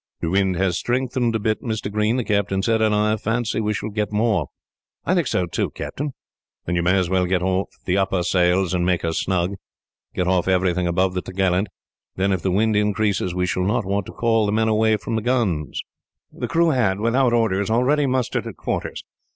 "The wind has strengthened a bit, Mr. Green," the captain said, "and I fancy we shall get more." "I think so, too, Captain." "Then you may as well get off the upper sails, and make her snug. Get off everything above the top gallant. Then, if the wind increases, we shall not want to call the men away from the guns." The crew had, without orders, already mustered at quarters.